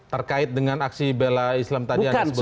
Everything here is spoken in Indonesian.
terkait dengan aksi bela islam tadi yang anda sebutkan tadi